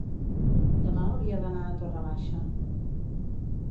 Demà hauria d'anar a Torre Baixa.